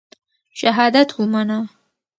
شهادت ومنه.